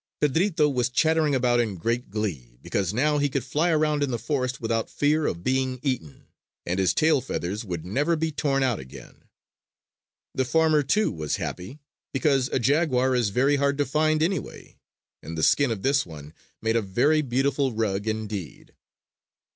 Pedrito was chattering about in great glee; because now he could fly around in the forest without fear of being eaten; and his tail feathers would never be torn out again. The farmer, too, was happy; because a jaguar is very hard to find anyway; and the skin of this one made a very beautiful rug indeed.